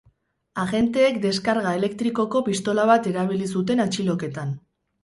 Agenteek deskarga elektrikoko pistola bat erabili zuten atxiloketan.